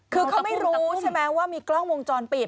คือเขาไม่รู้ใช่ไหมว่ามีกล้องวงจรปิด